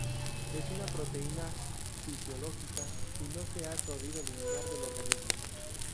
Es una proteína fisiológica y no se ha podido eliminar del organismo.